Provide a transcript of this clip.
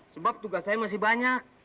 sebab tugas saya masih banyak